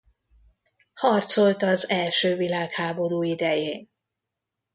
Harcolt az első világháború idején.